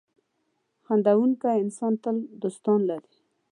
• خندېدونکی انسان تل دوستان لري.